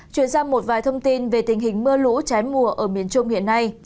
chuyển sang một vài thông tin về tình hình mưa lũ trái mùa ở miền trung hiện nay